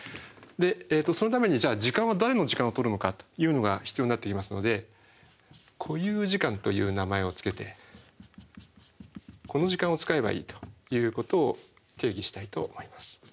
そのために時間は誰の時間をとるのかというのが必要になってきますので固有時間という名前を付けてこの時間を使えばいいということを定義したいと思います。